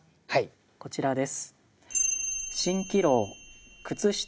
こちらです。